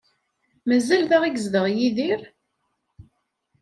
Mazal da i yezdeɣ Yidir?